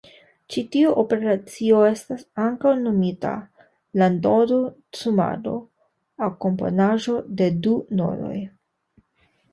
Ĉi tiu operacio estas ankaŭ nomita la nodo-sumado aŭ komponaĵo de du nodoj.